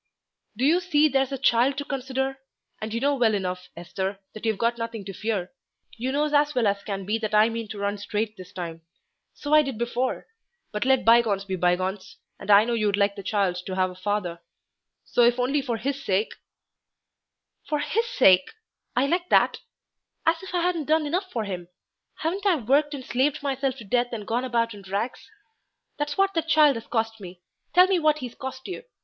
"Do you see, there's the child to consider? And you know well enough, Esther, that you've nothing to fear; you knows as well as can be that I mean to run straight this time. So I did before. But let bygones be bygones, and I know you'd like the child to have a father; so if only for his sake " "For his sake! I like that; as if I hadn't done enough for him. Haven't I worked and slaved myself to death and gone about in rags? That's what that child has cost me. Tell me what he's cost you.